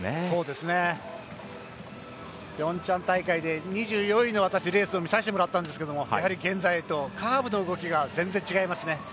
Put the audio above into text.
ピョンチャン大会で２４位のレースを私見させてもらったんですけどもやはり現在とカーブの動きが全然、違いますね。